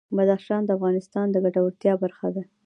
بدخشان د افغانانو د ګټورتیا برخه ده.